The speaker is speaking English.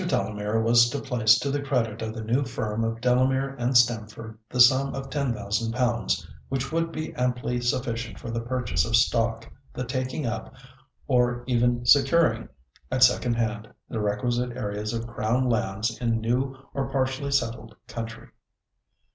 Delamere was to place to the credit of the new firm of Delamere and Stamford the sum of ten thousand pounds, which would be amply sufficient for the purchase of stock, the taking up, or even securing at second hand, the requisite areas of Crown lands in new or partially settled country.